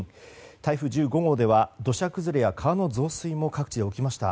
台風１５号では土砂崩れや川の増水も各地で起きました。